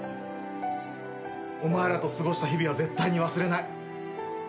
お前らと過ごした日々は絶対に忘れない。